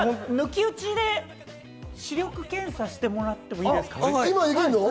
抜き打ちで視力検査してもらってもいいですか？